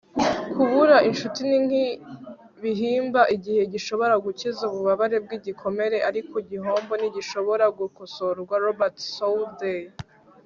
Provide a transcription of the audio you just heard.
kubura inshuti ni nk'ibihimba; igihe gishobora gukiza ububabare bw'igikomere, ariko igihombo ntigishobora gukosorwa - robert southey